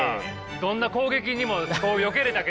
どんな攻撃にもこうよけれたけどさ。